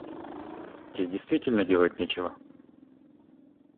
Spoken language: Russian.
Те действительно делать нечего?